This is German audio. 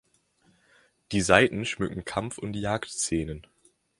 Die Seiten schmücken Kampf- und Jagdszenen.